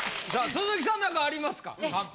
鈴木さん何かありますかカンペ？